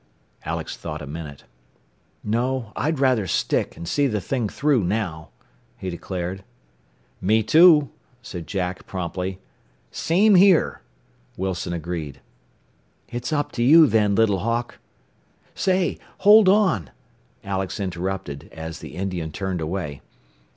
Alex thought a minute. "No; I'd rather stick, and see the thing through, now," he declared. "Me too," said Jack promptly. "Same here," Wilson agreed. "It's up to you, then, Little Hawk. "Say, hold on!" Alex interrupted as the Indian turned away.